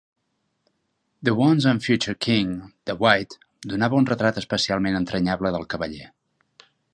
"The Once and Future King" de White donava un retrat especialment entranyable del cavaller.